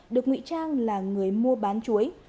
được ngụy trang là người mua bán chuối